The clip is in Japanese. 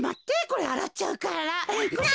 これあらっちゃうから。